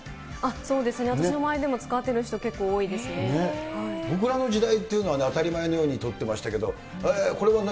そうですね、私の周りでも結僕らの時代っていうのは、結構、当たり前のように撮ってましたけど、これは何？